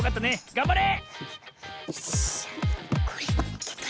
がんばれ！